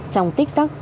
trong tích tắc